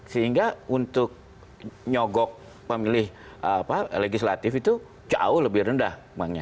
sehingga untuk nyogok pemilih legislatif itu jauh lebih rendah